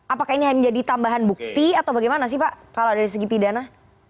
apakah ini hanya menjadi tambahan bukti atau bagaimana sih pak kalau dari segi pidana